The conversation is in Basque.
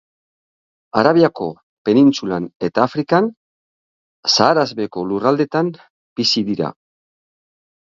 Arabiako penintsulan eta Afrikan, Saharaz beheko lurraldeetan bizi dira.